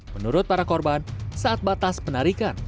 menurut para korban saat batas penarikan